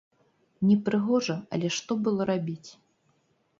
Непрыгожа, але што было рабіць?!